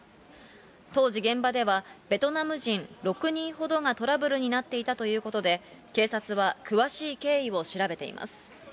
当時現場では、ベトナム人６人ほどがトラブルになっていたということで、警察は詳しい経緯を調べています。